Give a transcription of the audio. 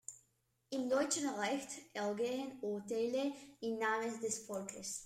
Im deutschen Recht ergehen Urteile im Namen des Volkes.